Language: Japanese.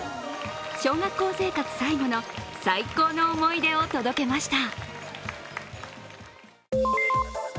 小学校生活最後の最高の思い出を届けました。